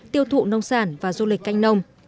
tiêu thụ nông sản và du lịch canh nông